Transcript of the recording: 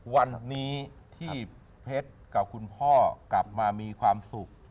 วันนี้ที่เพชรกับคุณพ่อกลับมามีความสุข